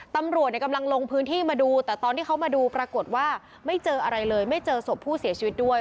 ตำรวจกำลังลงพื้นที่มาดูแต่ตอนที่เขามาดูปรากฏว่าไม่เจออะไรเลยไม่เจอศพผู้เสียชีวิตด้วย